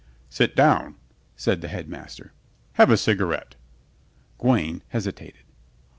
"Sit down," said the Headmaster. "Have a cigarette." Gawaine hesitated.